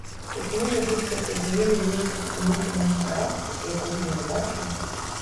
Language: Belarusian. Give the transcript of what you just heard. Хоць, можа быць, гэта змены нейкага ўнутранага характару, якога я не бачу?